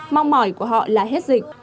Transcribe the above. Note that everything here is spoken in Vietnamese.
mong mỏi của họ là hết dịch